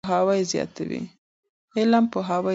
علم پوهاوی زیاتوي.